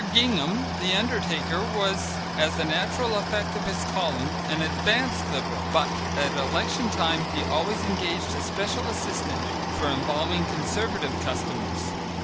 Gingham, the undertaker, was, as a natural effect of his calling, an advanced Liberal, but at election time he always engaged a special assistant for embalming Conservative customers.